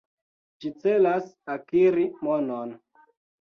Ĝi celas akiri monon.